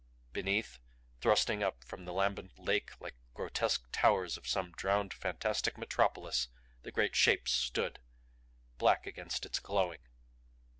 Beneath, thrusting up from the lambent lake like grotesque towers of some drowned fantastic metropolis, the great Shapes stood, black against its glowing.